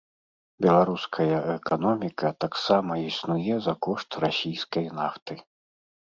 Беларуская эканоміка таксама існуе за кошт расійскай нафты.